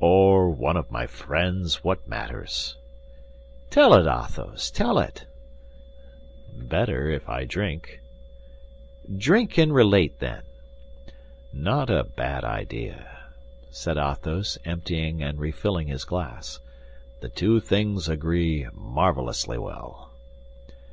"Or one of my friends, what matters?" "Tell it, Athos, tell it." "Better if I drink." "Drink and relate, then." "Not a bad idea!" said Athos, emptying and refilling his glass. "The two things agree marvelously well."